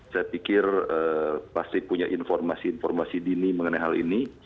saya pikir pasti punya informasi informasi dini mengenai hal ini